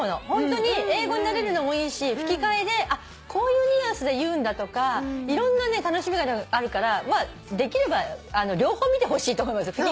ホントに英語に慣れるのもいいし吹き替えでこういうニュアンスで言うんだとかいろんな楽しみ方があるからできれば両方見てほしいと思います。